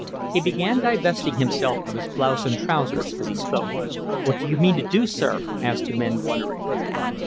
He began divesting himself of his blouse and trousers as he spoke. "What do you mean to do, sir?" asked the men, wonderingly.